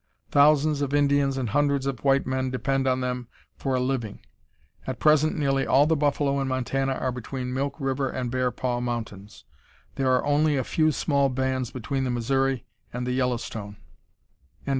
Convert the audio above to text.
Thousands of Indians and hundreds of white men depend on them for a living. At present nearly all the buffalo in Montana are between Milk River and Bear Paw Mountains. There are only a few small bands between the Missouri and the Yellowstone."